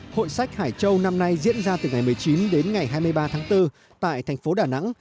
hội sách hải châu năm nay diễn ra từ ngày một mươi chín đến ngày hai mươi ba tháng bốn tại thành phố đà nẵng